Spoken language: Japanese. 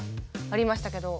ありましたけど。